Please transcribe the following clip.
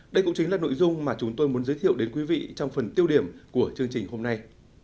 đây cũng chính là nội dung mà chúng tôi muốn giới thiệu đến quý vị trong phần tiêu điểm của chương trình hôm nay